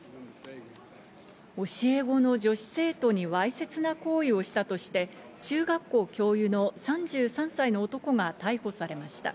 教え子の女子生徒にわいせつな行為をしたとして、中学校教諭の３３歳の男が逮捕されました。